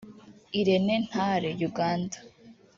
Irene Ntale – Uganda